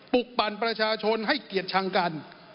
ปกปั่นประชาชนให้เกียรติชังกัน